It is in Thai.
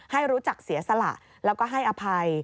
ให้รู้จักเสียสละแล้วก็ให้อภัย